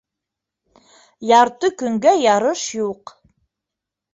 Ярты көнгә ярыш юҡ.